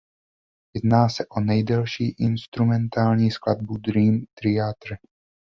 Jedná se o nejdelší instrumentální skladbu Dream Theater.